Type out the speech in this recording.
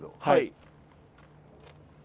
はい。